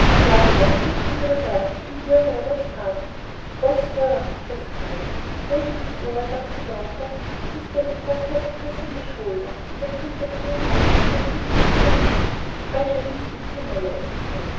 Now we must catch the Mirabelle, and you and I must part." "Oh, sir!" Chris cried, holding his oar above the water and turning his head toward the man beside him. Mr. Wicker clapped Chris on the shoulder and a glint of moonlight showed him to be smiling. "I shall miss you too, my lad," he said.